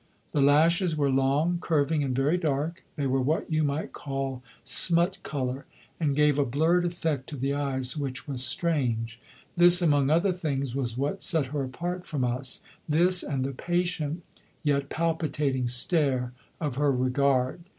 The lashes were long, curving and very dark; they were what you might call smut colour and gave a blurred effect to the eyes which was strange. This, among other things, was what set her apart from us, this and the patient yet palpitating stare of her regard.